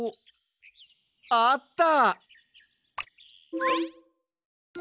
あった！